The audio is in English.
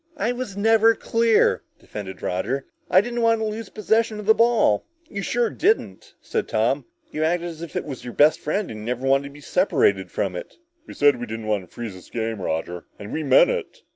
"I was never clear," defended Roger. "I didn't want to lose possession of the ball!" "You sure didn't," said Tom. "You acted as if it was your best friend and you never wanted to be separated from it!" "We said we didn't want to freeze this game, Roger, and we meant it!"